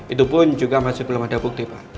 itu pun juga masih belum ada bukti pak